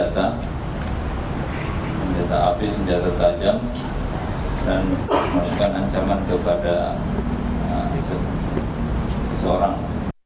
tidak ada ancaman kepada seseorang